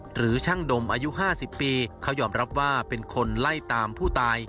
หรือช่างดมอายุ๕๐ปีเขายอมรับว่าเป็นคนไล่ตามผู้ตาย